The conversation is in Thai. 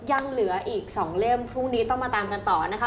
ยังเหลืออีกสองเล่มพรุ่งนี้ต้องมาตามกันต่อนะคะ